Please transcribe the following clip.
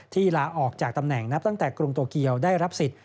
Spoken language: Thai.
ลาออกจากตำแหน่งนับตั้งแต่กรุงโตเกียวได้รับสิทธิ